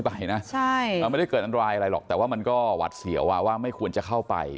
มันไม่ได้เกิดอันตรายอะไรหรอกแต่ว่ามันก็หวัดเสียวว่าไม่ควรจะเข้าไป